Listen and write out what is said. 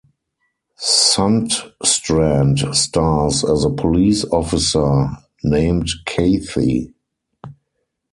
Sundstrand stars as a police officer named Cathy.